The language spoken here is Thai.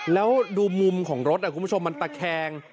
แล้วดูมุมของรถคุณผู้ชมมันตะแคง